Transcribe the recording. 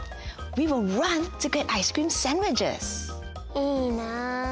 いいなあ。